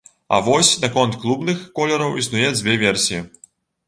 А вось наконт клубных колераў існуе дзве версіі.